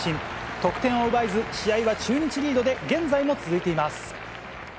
得点を奪えず、試合は中日リードで、現在も続いています。